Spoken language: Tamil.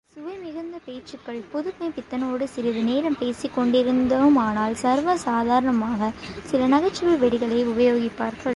சுவைமிகுந்த பேச்சுக்கள் புதுமைப்பித்தனோடு சிறிது நேரம் பேசிக் கொண்டிருந்தோமானால் சர்வ சாதாரணமாக சில நகைச்சுவை வெடிகளை உபயோகிப்பார்.